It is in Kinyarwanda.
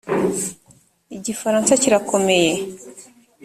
igifaransa kirakomeye .